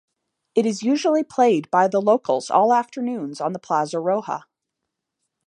It is usually played by the locals all afternoons at the Plaza Roja.